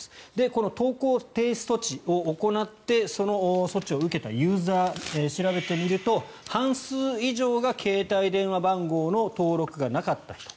この投稿停止措置を行ってその措置を受けたユーザーを調べてみると半数以上が携帯電話番号の登録がなかった人。